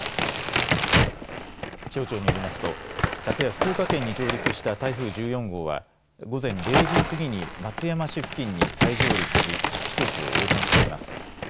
気象庁によりますと昨夜、福岡県に上陸した台風１４号は午前０時すぎに松山市付近に再上陸し四国を横断しています。